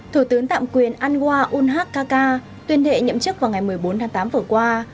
thủ tướng tạm quyền anwar unhaskaka tuyên thệ nhậm chức vào ngày một mươi bốn tháng tám vừa qua